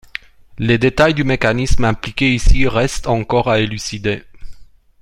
Les détails du mécanisme impliqué ici restent encore à élucider.